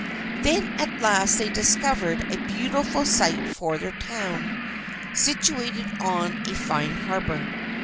Then, at last, they discovered a beautiful site for their town, situated on a fine harbour.